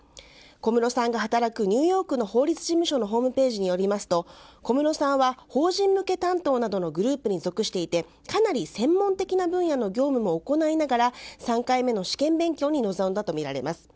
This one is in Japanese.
小室さんが働くニューヨークの法律事務所のホームページによりますと小室さんは法人向け担当などのグループに属していてかなり専門的な分野の業務も行いながら３回目の試験勉強に臨んだとみられます。